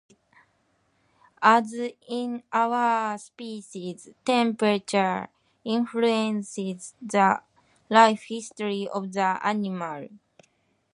As in other species, temperature influences the life history of the animal.